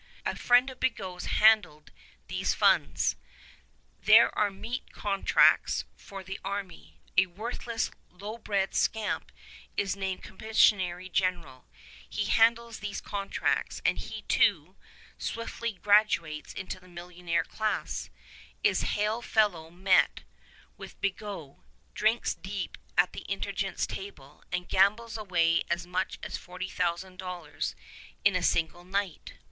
A friend of Bigot's handled these funds. There are meat contracts for the army. A worthless, lowbred scamp is named commissary general. He handles these contracts, and he, too, swiftly graduates into the millionaire class, is hail fellow well met with Bigot, drinks deep at the Intendant's table, and gambles away as much as $40,000 in a single night.